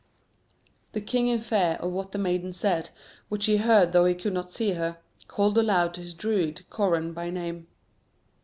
The king in fear at what the maiden said, which he heard though he could not see her, called aloud to his Druid, Coran by name.